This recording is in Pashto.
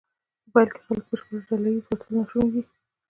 په پیل کې د خلکو بشپړ ډله ایز وتل ناشونی دی.